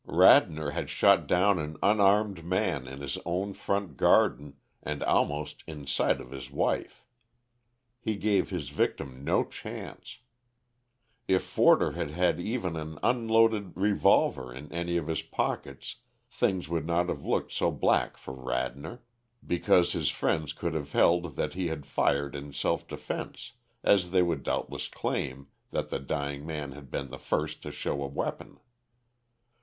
Radnor had shot down an unarmed man in his own front garden and almost in sight of his wife. He gave his victim no chance. If Forder had had even an unloaded revolver in any of his pockets, things would not have looked so black for Radnor, because his friends could have held that he had fired in self defence, as they would doubtless claim that the dying man had been the first to show a weapon.